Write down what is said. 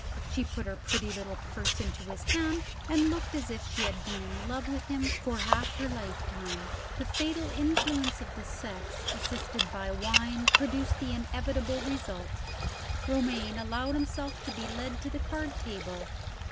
She put her pretty little purse into his hand, and looked as if she had been in love with him for half her lifetime. The fatal influence of the sex, assisted by wine, produced the inevitable result. Romayne allowed himself to be led to the card table.